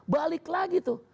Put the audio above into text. balik lagi tuh